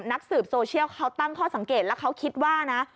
นักสืบโซเชียลเขาตั้งข้อสังเกตแล้วเขาคิดว่านะ